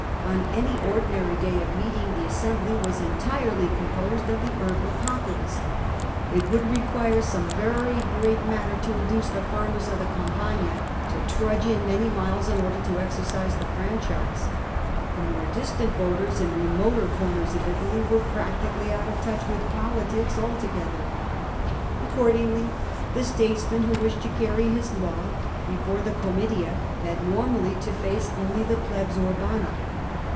On any ordi nary day of meeting the assembly was entirely composed of the urban populace ; it would require some very great matter to induce the farmers of the Gampagna to trudge in many miles in order to exercise the franchise. The more distant voters in remoter corners of Italy were practically out of touch with politics altogether "/Accord ingly, the statesman who wished to carry his Taw before the Oomitia had normally to face only the plets urbana.